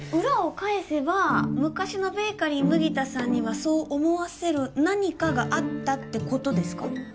裏を返せば昔のベーカリー麦田さんにはそう思わせる何かがあったってことですか？